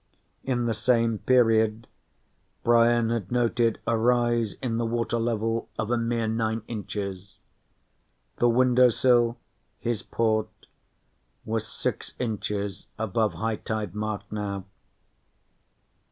In the same period, Brian had noted a rise in the water level of a mere nine inches. The window sill, his port, was six inches above high tide mark now.